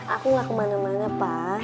aku gak kemana mana pak